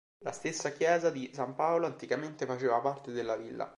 La stessa chiesa di San Paolo, anticamente, faceva parte della villa.